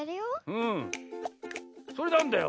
うん。それなんだよ？